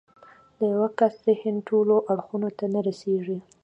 د يوه کس ذهن ټولو اړخونو ته نه رسېږي.